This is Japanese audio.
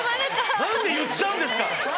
何で言っちゃうんですか！